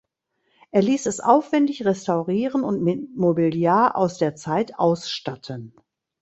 Er ließ es aufwendig restaurieren und mit Mobiliar aus der Zeit ausstatten.